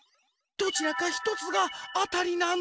どちらかひとつがあたりなの。